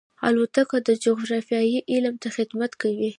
الوتکه د جغرافیې علم ته خدمت کوي.